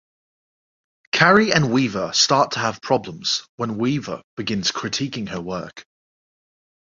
Carrie and Weaver start to have problems when Weaver begins critiquing her work.